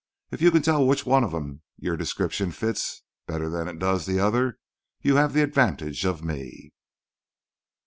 If you can tell which one of 'em your description fits better than it does the other you have the advantage of me."